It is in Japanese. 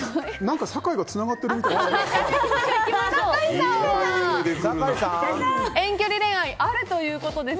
酒井がつながってるみたいです。